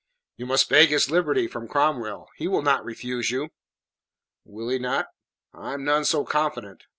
"You must beg his liberty from Cromwell. He will not refuse you." "Will he not? I am none so confident."